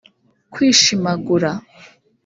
kwishimagura